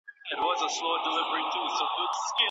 ولي هڅاند سړی د با استعداده کس په پرتله موخي ترلاسه کوي؟